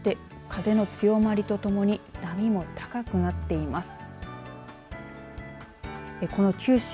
風の強まるとともに波も高くなっています。